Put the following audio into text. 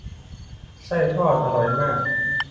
ไส้ทอดอร่อยมาก